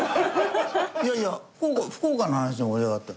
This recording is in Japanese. いやいや福岡福岡の話で盛り上がってるの。